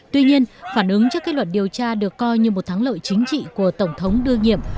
tuy nhiên phản ứng cho kết luận điều tra được coi như một thắng lợi chính trị của tổng thống đương nhiệm